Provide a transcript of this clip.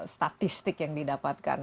statistik yang didapatkan